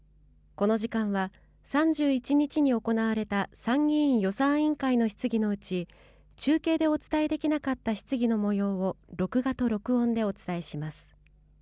この時間は３１日に行われた参議院予算委員会の質疑のうち、中継でお伝えできなかった質疑のもようを、録画と録音でお伝えします。